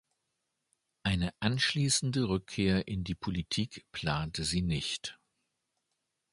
Eine anschließende Rückkehr in die Politik plante sie nicht.